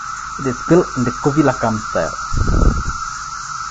It is built in the kovilakam style.